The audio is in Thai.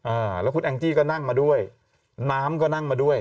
อ่าแล้วคุณแองจี้ก็นั่งมาด้วยน้ำก็นั่งมาด้วย